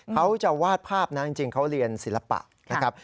เขาจะวาดภาพนะจริงเขาเรียนศิลปะนะครับ